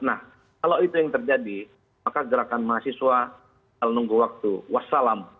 nah kalau itu yang terjadi maka gerakan mahasiswa nunggu waktu wassalam